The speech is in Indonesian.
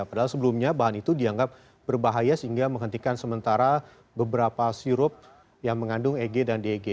padahal sebelumnya bahan itu dianggap berbahaya sehingga menghentikan sementara beberapa sirup yang mengandung eg dan deg